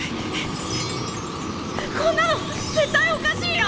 こんなの絶対おかしいよ！